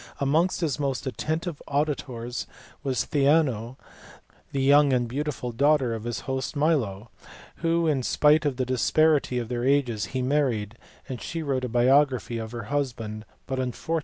Amongst his most attentive auditors was Theano, the young and beautiful daughter of his host Milo, whom, in spite of the disparity of their ages, he married : she wrote a biography of her husband but unfortunately it is lost.